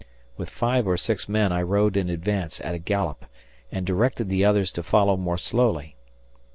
With five or six men I rode in advance at a gallop and directed the others to follow more slowly.